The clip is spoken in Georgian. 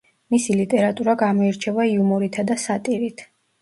მისი ლიტერატურა გამოირჩევა იუმორითა და სატირით.